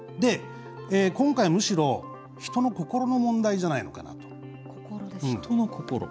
今回、むしろ人の心の問題じゃないのかなと。